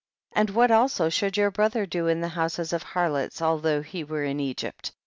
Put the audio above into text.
And what also should your bro ther do in the houses of harlots, al though he were in Egypt ?